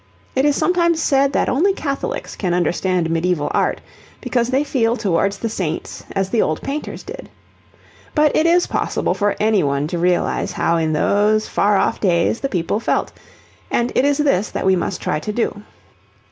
It is sometimes said that only Catholics can understand medieval art, because they feel towards the saints as the old painters did. But it is possible for any one to realize how in those far off days the people felt, and it is this that we must try to do.